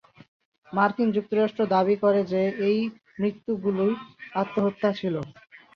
মার্কিন যুক্তরাষ্ট্র দাবি করে যে এই মৃত্যুগুলি আত্মহত্যা ছিল।